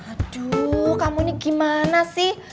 aduh kamu ini gimana sih